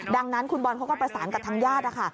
ดังนั้นคุณบอลเขาก็ประสานกับทางญาตินะคะ